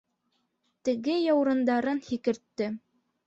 Теге яурындарын һикертте